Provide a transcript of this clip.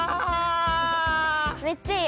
めっちゃいい。